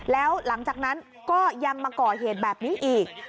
แล้วหลังจากนั้นก็ยังมาก่อเหตุแบบนี้อีก